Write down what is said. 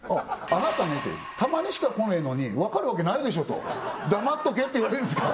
あなたねたまにしか来ねえのに分かるわけないでしょと黙っとけって言われるんですか？